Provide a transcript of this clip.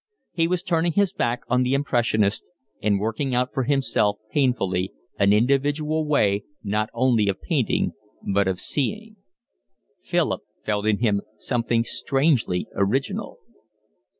He was turning his back on the impressionists and working out for himself painfully an individual way not only of painting but of seeing. Philip felt in him something strangely original.